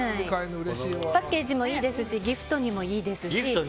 パッケージもいいですしギフトにもいいですし。